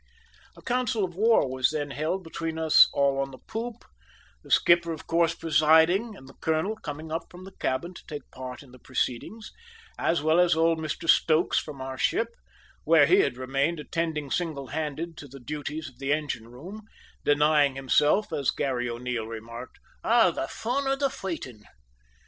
A council of war was then held between us all on the poop, the skipper of course presiding, and the colonel coming up from the cabin to take part in the proceedings, as well as old Mr Stokes from our ship, where he had remained attending singlehanded to the duties of the engine room, denying himself, as Garry O'Neil remarked, "all the foin of the foighting!"